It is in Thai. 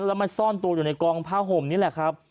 แล้วมาซ่อนตัวอยู่ในกองผ้าห่มนี่แหละครับ